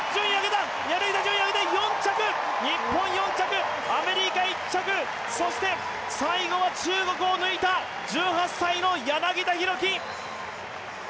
日本４着、アメリカ１着、そして最後は中国を抜いた１８歳の柳田大輝。